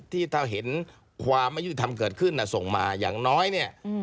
ที่ถ้าเห็นความไม่ยุติธรรมเกิดขึ้นส่งมาอย่างน้อยเนี่ย